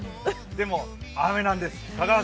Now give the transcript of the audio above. でも、雨なんです。